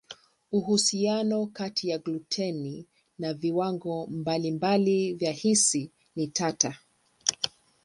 Uhusiano kati ya gluteni na viwango mbalimbali vya hisi ni tata.